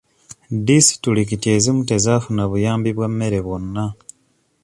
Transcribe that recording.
Disitulikiti ezimu tezafuna buyambi bwa mmere bwonna.